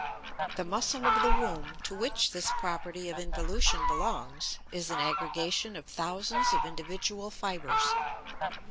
The muscle of the womb, to which this property of involution belongs, is an aggregation of thousands of individual fibers.